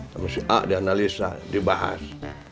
kami si a dianalisa dibahas